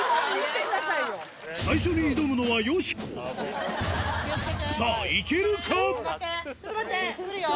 最初に挑むのはよしこさぁいけるか？